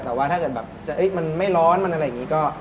แต่ว่าถ้าเกิดแบบมันไม่ร้อนมันอะไรอย่างนี้ก็